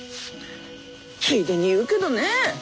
ついでに言うけどね